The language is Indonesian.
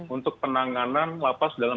untuk penanganan lapas dalam